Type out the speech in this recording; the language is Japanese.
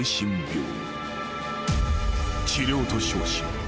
［治療と称し